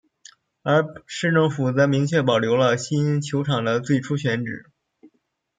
而市政府则明确保留了新球场的最初选址。